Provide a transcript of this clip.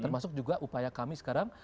termasuk juga upaya kami sekarang